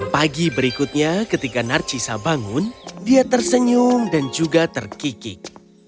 pagi berikutnya ketika narcisa bangun dia tersenyum dan juga terkikik